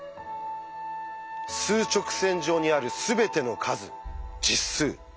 数直線上にあるすべての数「実数」。